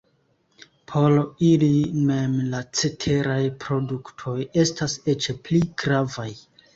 Por ili mem la ceteraj produktoj estas eĉ pli gravaj.